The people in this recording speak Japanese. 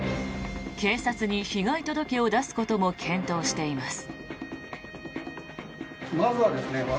警察に被害届を出すことも検討しています。